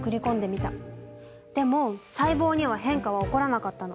でも細胞には変化は起こらなかったの。